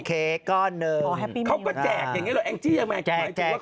เขาก็แจกอย่างนี้หรอแองจียังไหม